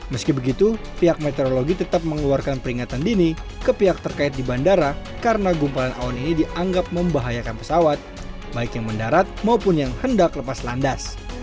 meski begitu pihak meteorologi tetap mengeluarkan peringatan dini ke pihak terkait di bandara karena gumpalan awan ini dianggap membahayakan pesawat baik yang mendarat maupun yang hendak lepas landas